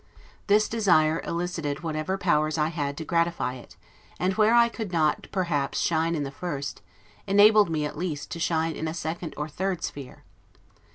This desire elicited whatever powers I had to gratify it; and where I could not perhaps shine in the first, enabled me, at least, to shine in a second or third sphere.